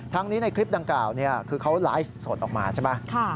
นี้ในคลิปดังกล่าวคือเขาไลฟ์สดออกมาใช่ไหม